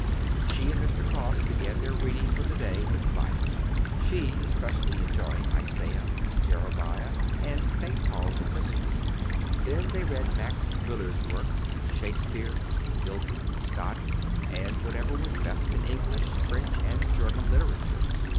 She and Mr. Cross began their reading for the day with the Bible, she especially enjoying Isaiah, Jeremiah, and St. Paul's Epistles. Then they read Max Muller's works, Shakespeare, Milton, Scott, and whatever was best in English, French, and German literature.